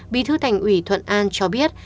bí thư thành uỷ thuận an cho biết